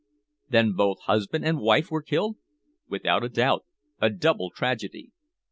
"Then both husband and wife were killed?" "Without a doubt a double tragedy."